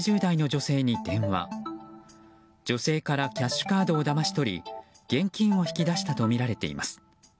女性からキャッシュカードをだまし取り現金を引き出したとみられています。